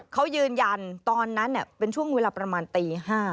เขายืนยันตอนนั้นเป็นช่วงเวลาประมาณตี๕